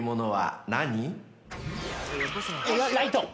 ライト。